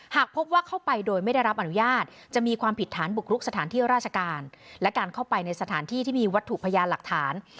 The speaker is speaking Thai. หากพบว่าเข้าไปโดยไม่ได้รับอนุญาตจะมีความผิดฐานบุกรุกสถานที่ราชการและการเข้าไปในสถานที่ที่มีวัตถุพยานหลักฐาน